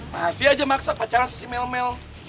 masih aja maksa pacaran sama si melmel